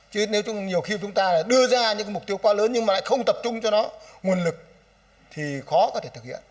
chứ nếu nhiều khi chúng ta là đưa ra những mục tiêu quá lớn nhưng mà lại không tập trung cho nó nguồn lực thì khó có thể thực hiện